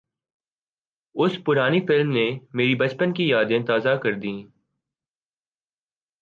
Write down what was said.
اُس پرانی فلم نے میری بچپن کی یادیں تازہ کردیں